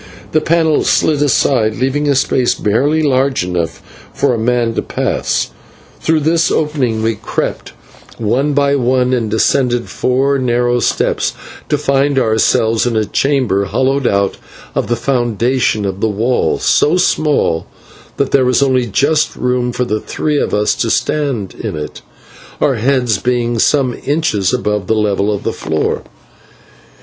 The panel slid aside, leaving a space barely large enough for a man to pass. Through this opening we crept one by one, and descended four narrow steps, to find ourselves in a chamber hollowed out of the foundations of the wall, so small that there was only just room for the three of us to stand in it, our heads being some inches above the level of the floor.